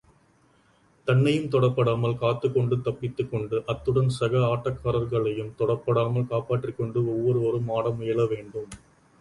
தன்னையும் தொடப்படாமல் காத்துக்கொண்டு, தப்பித்துக்கொண்டு, அத்துடன் சக ஆட்டக்காரர்களையும் தொடப்படாமல் காப்பாற்றிக்கொண்டு, ஒவ்வொருவரும் ஆட முயல வேண்டும்.